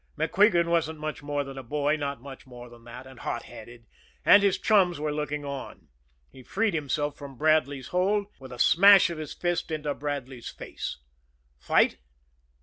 MacQuigan wasn't much more than a boy, not much more than that, and hot headed and his chums were looking on. He freed himself from Bradley's hold with a smash of his fist in Bradley's face. Fight?